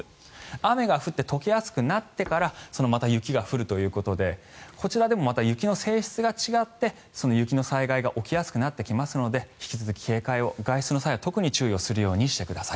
雨が降って解けやすくなってからまた雪が降るということでこちらでもまた雪の性質が違って雪の災害が起きやすくなってきますので引き続き警戒を外出の際は特にするようにしてください。